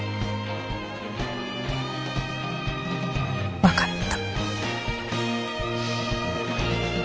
分かった。